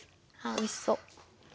おいしそう。